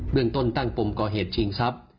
เรื่องต้นตั้งปมก่อเหตุชิงทรัพย์